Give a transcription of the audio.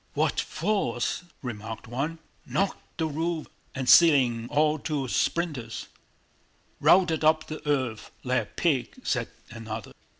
"What force!" remarked one. "Knocked the roof and ceiling all to splinters!" "Routed up the earth like a pig," said another.